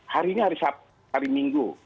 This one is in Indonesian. hari ini hari sab hari minggu